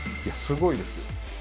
いやすごいですよ。